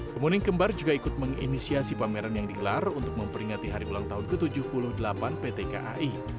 pemuning kembar juga ikut menginisiasi pameran yang digelar untuk memperingati hari ulang tahun ke tujuh puluh delapan pt kai